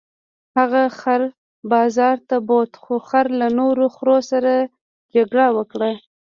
هغه خر بازار ته بوت خو خر له نورو خرو سره جګړه وکړه.